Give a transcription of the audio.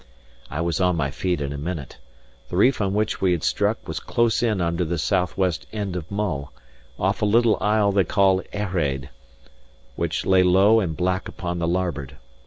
I was on my feet in a minute. The reef on which we had struck was close in under the southwest end of Mull, off a little isle they call Earraid, which lay low and black upon the larboard.